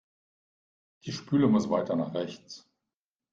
Die Spüle muss weiter nach rechts.